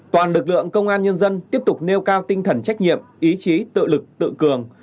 toàn lực lượng công an nhân dân tiếp tục nêu cao tinh thần trách nhiệm ý chí tự lực tự cường